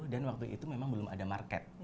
dan waktu itu memang belum ada market